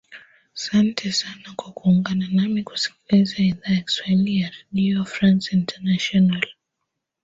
sante sana kwa kuungana nami kusikiliza idhaa ya kiswahili ya redio france international